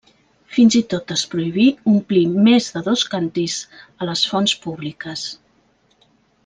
Fins i tot es prohibí omplir més de dos càntirs a les fonts públiques.